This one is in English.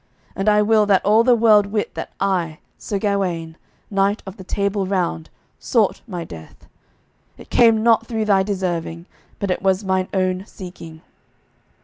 And I will that all the world wit that I, Sir Gawaine, knight of the Table Round, sought my death; it came not through thy deserving, but it was mine own seeking.